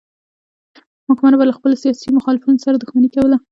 واکمنو به له خپلو سیاسي مخالفینو سره دښمني کوله.